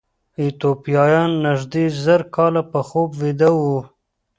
ایتوپیایان نږدې زر کاله په خوب ویده وو.